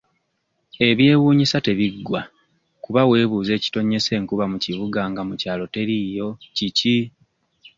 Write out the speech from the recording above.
Ebyewuunyisa tebiggwa kuba weebuuza ekitonnyesa enkuba mu kibuga nga mu kyalo teriiyo kiki?